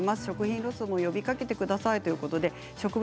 食品ロスを呼びかけてくださいということです。